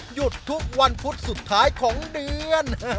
หยุดทุกวันพุธสุดท้ายของเดือน